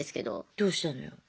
どうしたのよ。